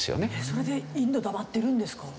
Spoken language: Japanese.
それでインド黙ってるんですか？